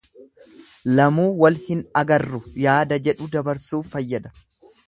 Lamuu wal hin agarru yaada jedhu dabarsuuf fayyada.